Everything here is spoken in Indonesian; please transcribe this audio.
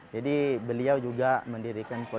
jadi beliau juga mendirikan